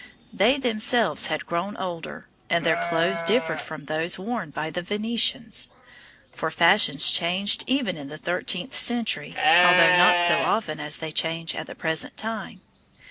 They themselves had grown older, and their clothes differed from those worn by the Venetians; for fashions changed even in the thirteenth century, although not so often as they change at the present time.